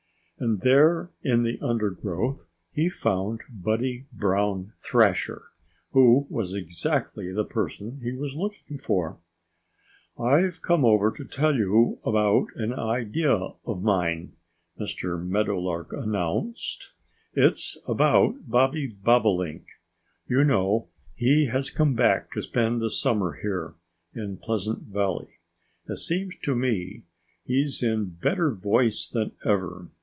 And there in the undergrowth he found Buddy Brown Thrasher, who was exactly the person he was looking for. "I've come over to tell you about an idea of mine," Mr. Meadowlark announced. "It's about Bobby Bobolink. You know he has come back to spend the summer here in Pleasant Valley. It seems to me he's in better voice than ever.